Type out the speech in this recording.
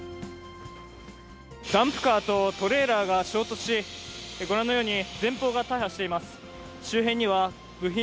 ダンプカーとトレーラーが衝突し、ご覧のように前方が大破しています。